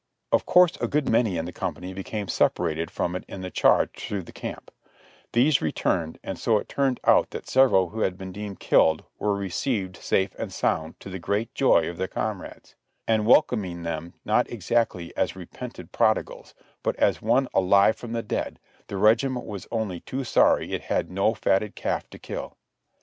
Of course a good many in the company became separated from it in the charge through the camp; these returned, and so it turned out that several who had been deemed killed were re ceived safe and sound, to the great joy of tlieir comrades; and \velcoming them not exactly as repenting prodigals, but as one "alive from the dead," the regiment w^as only too sorry it had no fatted calf to kill.